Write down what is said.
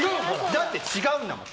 だって違うんだもん。